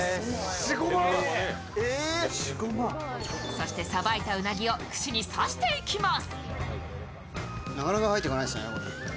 そしてさばいたうなぎを串に刺していきます。